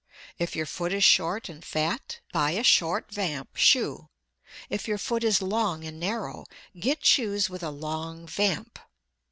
If your foot is short and fat, buy a short vamp shoe; if your foot is long and narrow, get shoes with a long vamp.